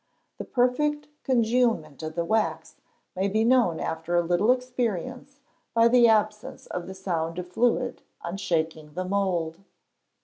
The perfect congealment of the wax may be known after a little experience by the absence of the sound of fluid on shaking the mould.